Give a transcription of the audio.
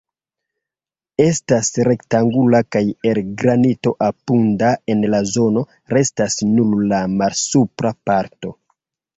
Estas rektangula kaj el granito abunda en la zono: restas nur la malsupra parto.